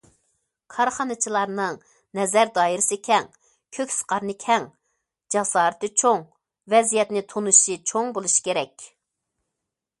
كارخانىچىلارنىڭ نەزەر دائىرىسى كەڭ، كۆكسى- قارنى كەڭ، جاسارىتى چوڭ، ۋەزىيەتنى تونۇشى چوڭ بولۇشى كېرەك.